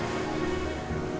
dia juga stres